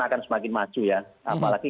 akan semakin maju ya apalagi